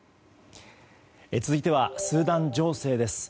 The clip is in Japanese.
続いてはスーダン情勢です。